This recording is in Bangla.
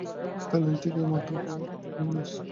থাইল্যান্ড থেকে এইমাত্র পাওয়া একটা ব্রেকিং নিউজ।